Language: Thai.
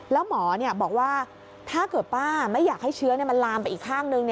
แล้วหมอบอกว่าถ้าเกิดป้าไม่อยากให้เชื้อมันลามไปอีกข้างนึง